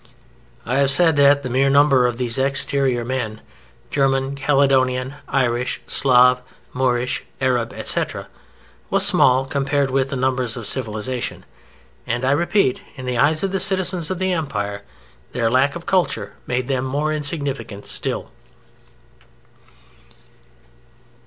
I have said that the mere number of these exterior men (German, Caledonian, Irish, Slav, Moorish, Arab, etc.) was small compared with the numbers of civilization, and, I repeat, in the eyes of the citizens of the Empire, their lack of culture made them more insignificant still.